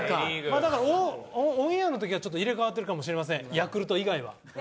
まあだからオンエアの時は入れ替わってるかもしれませんヤクルト以外は。